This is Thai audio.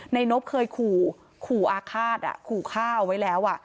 ในนบเคยขู่อาฆาตขู่ข้าวไว้แล้ว